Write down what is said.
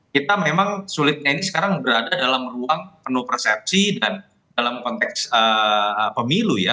kita memang sulitnya ini sekarang berada dalam ruang penuh persepsi dan dalam konteks pemilu ya